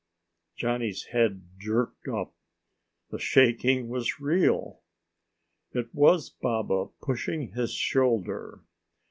Johnny's head jerked up. The shaking was real. It was Baba pushing his shoulder.